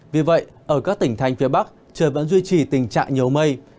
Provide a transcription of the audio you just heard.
vì vậy ở các tỉnh thành phía bắc trời vẫn duy trì tình trạng nhiều mây